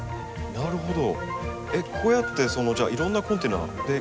なるほど！